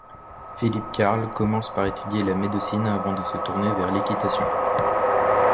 Philippe Karl commence par étudier la médecine avant de se tourner vers l'équitation.